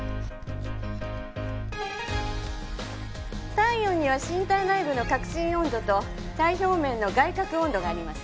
体温には身体内部の核心温度と体表面の外殻温度があります